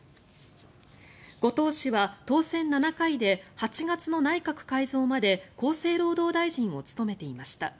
後藤氏は当選７回で８月の内閣改造まで厚生労働大臣を務めていました。